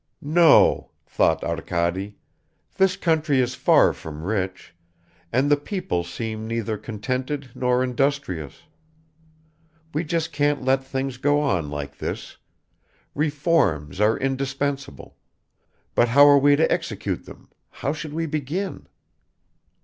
. "No," thought Arkady, "this country is far from rich, and the people seem neither contented nor industrious; we just can't let things go on like this; reforms are indispensable ... but how are we to execute them, how should we begin?"